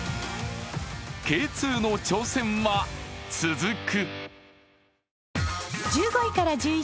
Ｋ２の挑戦は続く。